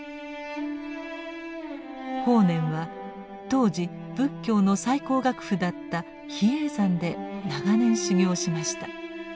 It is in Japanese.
法然は当時仏教の最高学府だった比叡山で長年修行しました。